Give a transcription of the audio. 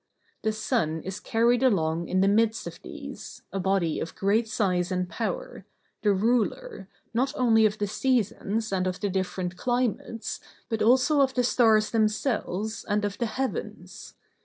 The sun is carried along in the midst of these, a body of great size and power, the ruler, not only of the seasons and of the different climates, but also of the stars themselves and of the heavens.